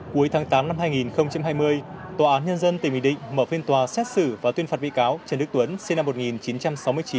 cuối tháng tám năm hai nghìn hai mươi tòa án nhân dân tỉnh bình định mở phiên tòa xét xử và tuyên phạt bị cáo trần đức tuấn sinh năm một nghìn chín trăm sáu mươi chín